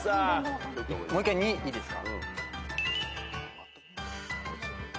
もう一回２いいですか？